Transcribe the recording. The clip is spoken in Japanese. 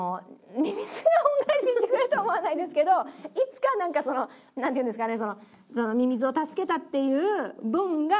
ミミズが恩返ししてくれるとは思わないですけどいつかなんかそのなんていうんですかね？